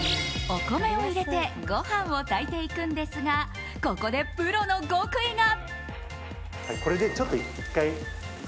お米を入れてご飯を炊いていくんですがここでプロの極意が。